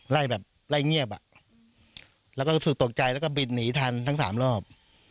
ไล่แบบไล่เงียบอ่ะแล้วก็รู้สึกตกใจแล้วก็บินหนีทันทั้งสามรอบ